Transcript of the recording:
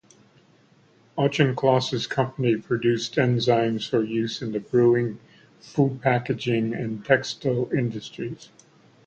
Auchincloss's company produced enzymes for use in the brewing, food-packaging and textile industries.